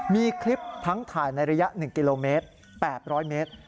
มีคลิปทั้งถ่ายในระยะ๑กิโลเมตร๘๐๐เมตร